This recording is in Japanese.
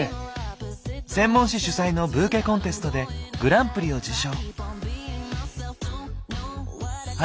専門誌主催のブーケコンテストでグランプリを受賞。